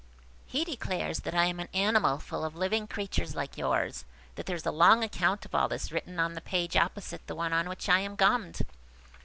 He declares that I am an animal full of little living creatures like yours, and that there is a long account of all this written on the page opposite the one on which I am gummed!"